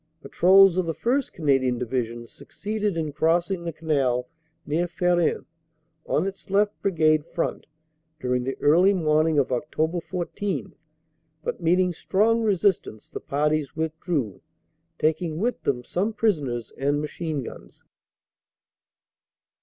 "Patrols of the 1st. Canadian Division succeeded in cross ing the Canal near Ferin, on its left Brigade front, during the early morning of Oct. 14, but meeting strong resistance, the parties withdrew, taking with them some prisoners and machine guns."